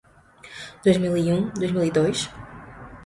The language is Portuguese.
Dois mil e um, dois mil e dois